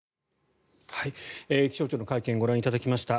気象庁の会見ご覧いただきました。